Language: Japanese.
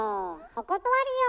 お断りよ！